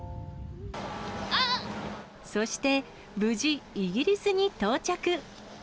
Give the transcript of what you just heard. そして、無事、イギリスに到着。